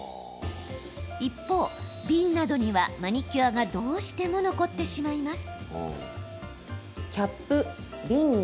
一方、瓶などにはマニキュアがどうしても残ってしまいます。